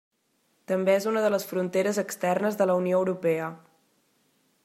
També és una de les fronteres externes de la Unió Europea.